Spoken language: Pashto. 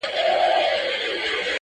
د عذاب علت یې کش کړ په مشوکي!!